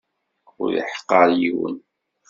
Ur iḥeqqer yiwen.